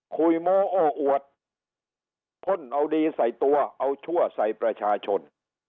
โมโอ้อวดพ่นเอาดีใส่ตัวเอาชั่วใส่ประชาชน